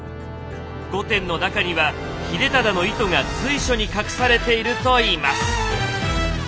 御殿の中には秀忠の意図が随所に隠されているといいます。